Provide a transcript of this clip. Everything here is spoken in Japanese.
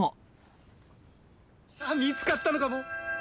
「見つかったのかも」